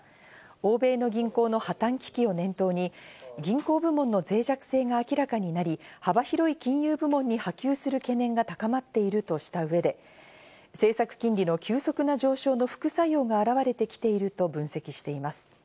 欧米の銀行の破綻危機を念頭に銀行部門の脆弱性が明らかになり、幅広い金融部門に波及する懸念が高まっているとした上で、政策金利の急速な上昇の副作用が表れてきていると分析しています。